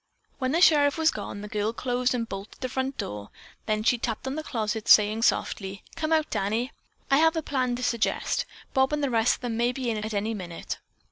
When the sheriff was gone, the girl closed and bolted the front door, then she tapped on the closet, saying softly: "Come out, Danny. I have a plan to suggest. Bob and the rest of them may be in at any minute."